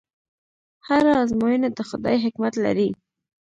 هره ازموینه د خدای حکمت لري.